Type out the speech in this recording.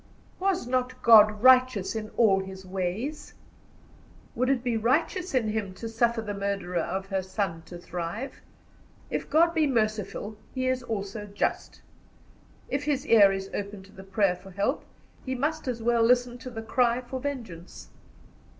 Was not God righteous in all His ways? Would it be righteous in Him to suffer the murderer of her son to thrive? If God be merciful, He is also just. If His ear is open to the prayer for help, He must as well listen to the cry for vengeance.